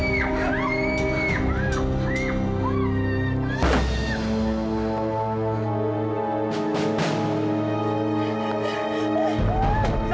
jangan lakukan apa apa